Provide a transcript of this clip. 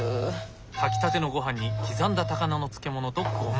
炊きたてのごはんに刻んだ高菜の漬物とゴマ。